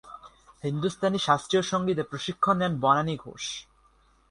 হিন্দুস্তানী শাস্ত্রীয় সঙ্গীতে প্রশিক্ষণ নেন বনানী ঘোষ।